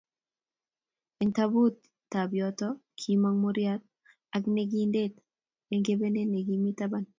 Eng tabaut ab yoto kimong muriat ake nekindet eng kebenet ne kimi taban